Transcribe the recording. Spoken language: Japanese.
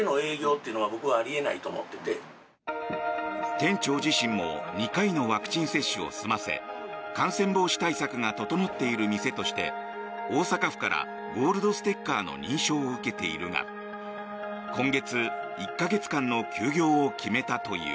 店長自身も２回のワクチン接種を済ませ感染防止対策が整っている店として大阪府からゴールドステッカーの認証を受けているが今月１か月間の休業を決めたという。